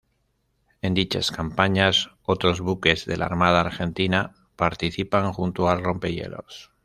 En dichas campañas otros buques de la Armada Argentina participan junto al rompehielos.